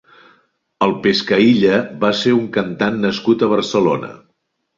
El Pescaílla va ser un cantant nascut a Barcelona.